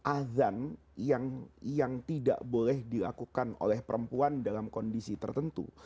azan yang tidak boleh dilakukan oleh perempuan dalam kondisi tertentu